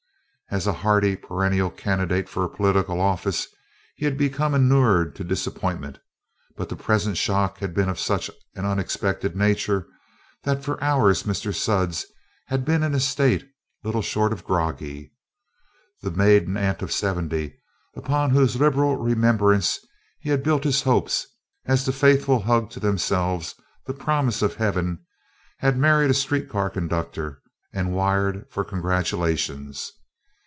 As a hardy perennial candidate for political office, he had become inured to disappointment, but the present shock had been of such an unexpected nature that for hours Mr. Sudds had been in a state little short of groggy. The maiden aunt of seventy, upon whose liberal remembrance he had built his hopes as the Faithful hug to themselves the promise of heaven, had married a street car conductor and wired for congratulations.